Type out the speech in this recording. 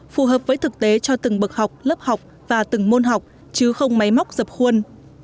phù hợp với thực tế cho từng bậc học lớp học và từng môn học chứ không máy móc dập khuôn